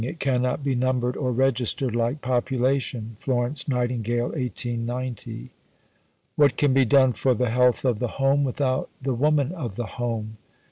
It cannot be numbered or registered like population. FLORENCE NIGHTINGALE (1890). What can be done for the health of the home without the woman of the home?